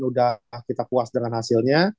sudah kita puas dengan hasilnya